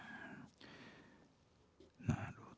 なるほど。